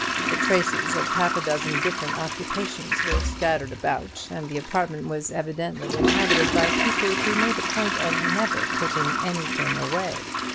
The traces of half a dozen different occupations were scattered about, and the apartment was evidently inhabited by people who made a point of never putting anything away.